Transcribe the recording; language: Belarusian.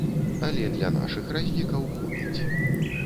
Але для нашых разлікаў хопіць.